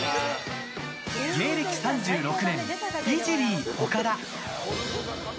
芸能３６年、イジリー岡田。